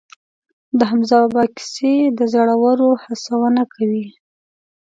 د حمزه بابا کیسې د زړورو هڅونه کوي.